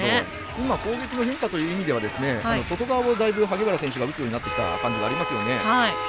今、攻撃の変化という意味では外側をだいぶ萩原選手が打つようになってきた感じがありますよね。